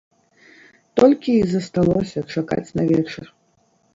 Толькі й засталося чакаць на вечар.